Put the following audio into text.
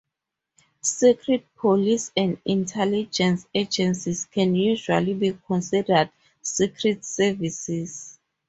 Secret police and intelligence agencies can usually be considered secret services.